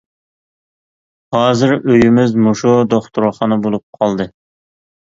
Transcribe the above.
ھازىر ئۆيىمىز مۇشۇ دوختۇرخانا بولۇپ قالدى.